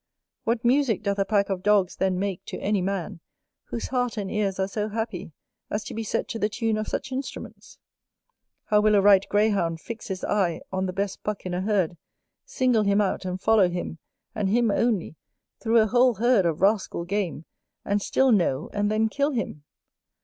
What music doth a pack of dogs then make to any man, whose heart and ears are so happy as to be set to the tune of such instruments! How will a right Greyhound fix his eye on the best Buck in a herd, single him out, and follow him, and him only, through a whole herd of rascal game, and still know and then kill him!